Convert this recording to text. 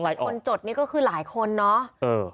คนจดนี่ก็คือหลายคนเนาะ